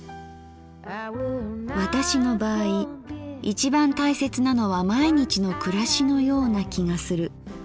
「私の場合一番大切なのは毎日の暮らしのような気がする。